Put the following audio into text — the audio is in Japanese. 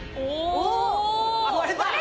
おっ。